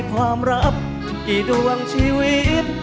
ความรักกี่ดวงชีวิต